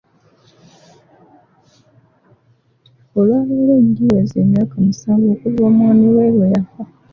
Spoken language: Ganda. Olwaleero giweze emyaka musanvu okuva omwami we lwe yafa.